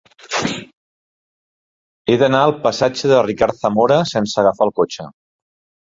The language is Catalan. He d'anar al passatge de Ricard Zamora sense agafar el cotxe.